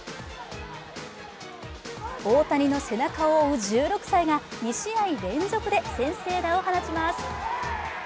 大谷の背中を追う１６歳が２試合連続で先制打を放ちます。